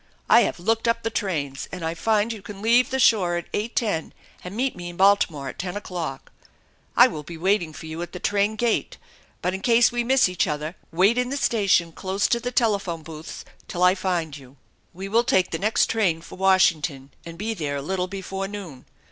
I have looked up the trains and I find you can leave the shore at 8.10 and meet me in Baltimore at ten o'clock. I will be waiting for you at the train gate, but in case we miss each other wait in the station, close to the telephone booths, till I find you. We will take the next train for Washington and be there a little before noon.